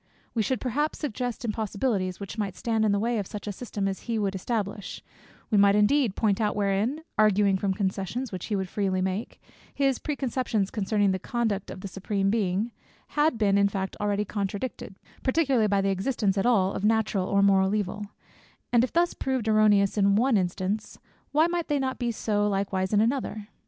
We should perhaps suggest impossibilities, which might stand in the way of such a system as he would establish: we might indeed point out wherein (arguing from concessions which he would freely make) his pre conceptions concerning the conduct of the Supreme Being, had been in fact already contradicted, particularly by the existence at all of natural or moral evil: and if thus proved erroneous in one instance, why might they not be so likewise in another?